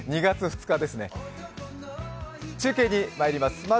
２月２日ですね、中継にまいります。